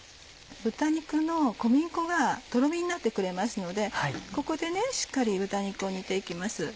豚肉の小麦粉がとろみになってくれますのでここでしっかり豚肉を煮て行きます。